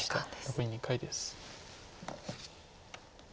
残り２回です。